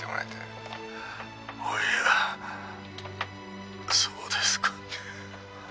「おやそうですか」